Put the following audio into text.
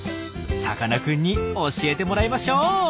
さかなクンに教えてもらいましょう。